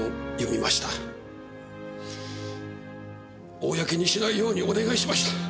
公にしないようにお願いしました。